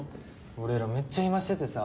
俺らめっちゃ暇しててさ。